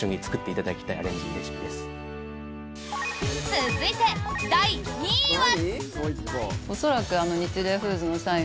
続いて、第２位は。